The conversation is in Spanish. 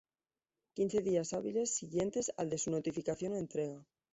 Quince días hábiles siguientes al de su notificación o entrega.